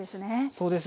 そうです。